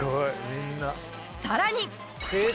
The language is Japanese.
さらに。